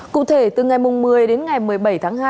cụ thể từ ngày một mươi đến ngày một mươi bảy tháng hai